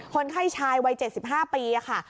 คนไข้ชายวัย๗๕ปีค่ะ